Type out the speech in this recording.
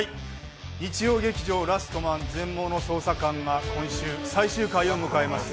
日曜劇場「ラストマン−全盲の捜査官−」が今週、最終回を迎えます。